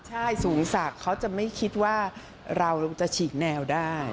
ใช่สูงศักดิ์เขาจะไม่คิดว่าเราจะฉีกแนวได้